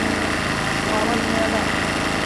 ও আমার ছেলে, অ্যাডাম।